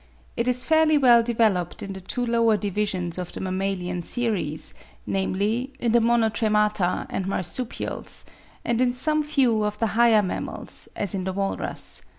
It is fairly well developed in the two lower divisions of the mammalian series, namely, in the monotremata and marsupials, and in some few of the higher mammals, as in the walrus.